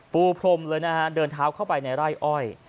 ปูพรมเลยนะฮะเดินเท้าเข้าไปในไร่อ้อย